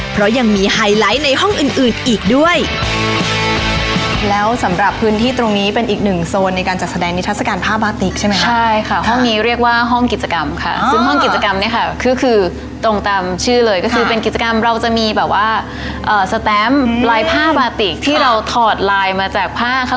เพราะยังมีไฮไลท์ในห้องอื่นอื่นอีกด้วยแล้วสำหรับพื้นที่ตรงนี้เป็นอีกหนึ่งโซนในการจัดแสดงนิทัศน์การผ้าบาติกใช่ไหมค่ะใช่ค่ะห้องนี้เรียกว่าห้องกิจกรรมค่ะซึ่งห้องกิจกรรมเนี้ยค่ะคือคือตรงตามชื่อเลยก็คือเป็นกิจกรรมเราจะมีแบบว่าเอ่อลายผ้าบาติกที่เราถอดลายมาจาก